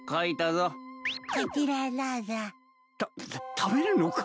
た食べるのか？